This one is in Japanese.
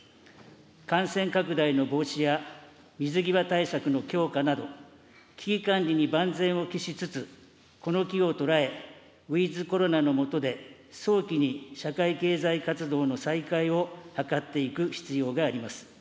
感染拡大の防止や水際対策の強化など、危機管理に万全を期しつつ、この機を捉え、ウィズコロナの下で、早期に社会経済活動の再開を図っていく必要があります。